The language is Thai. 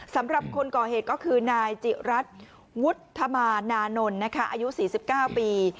สำหรับคนก่อเหตุก็คือนายจิรัตน์วุฒมานานนท์อายุ๔๙ปี